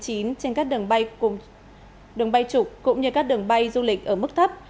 trên các đường bay trục cũng như các đường bay du lịch ở mức thấp